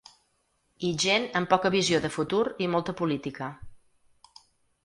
I gent amb poca visió de futur i molta política.